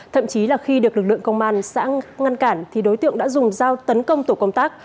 thậm chí là khi được lực lượng công an xã ngăn cản thì đối tượng đã dùng dao tấn công tổ công tác